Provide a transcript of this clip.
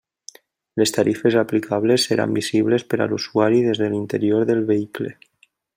Les tarifes aplicables seran visibles per a l'usuari des de l'interior del vehicle.